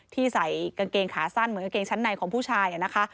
ใส่กางเกงขาสั้นเหมือนกางเกงชั้นในของผู้ชายนะคะ